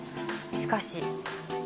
しかし。